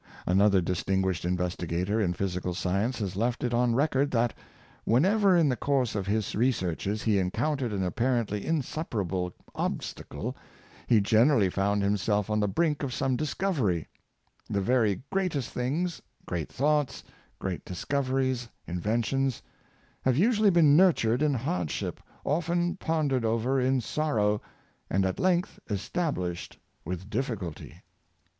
'' Another distinguished investigator in physical science has left it on record that, whenever in the course of his researches he encountered an ap parently insuperable obstacle, he generally found him self on the brink of some discovery The very greatest things — great thoughts, great discoveries, inventions — have usually been nurtured in hardship, often pond ered over in sorrow, and at length established with dif ficulty.